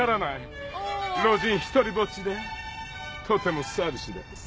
老人独りぼっちでとても寂しいです。